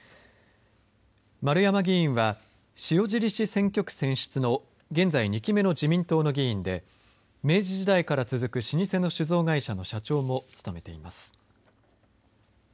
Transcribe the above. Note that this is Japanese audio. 丸山議員は、塩尻市選挙区選出の現在２期目の自民党の議員で、明治時代から続く老舗の酒造会社の社長も務めています。